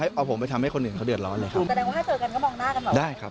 อย่าเอาผมไปทำให้คนอื่นเขาเดือดร้อนเลยครับ